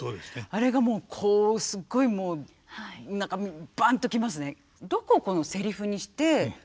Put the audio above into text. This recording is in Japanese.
あれがもうこうすごいもう何かバンと来ますね。